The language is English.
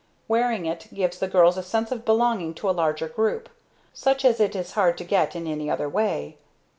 Wearing it gives the girls a sense of belonging to a larger group, such as it is hard to get in any other way.